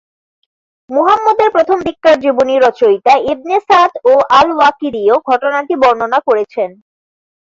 মুহাম্মদের প্রথম দিককার জীবনী রচয়িতা ইবনে সাদ ও আল-ওয়াকিদীও ঘটনাটি বর্ণনা করেছেন।